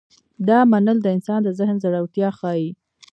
دا منل د انسان د ذهن زړورتیا ښيي.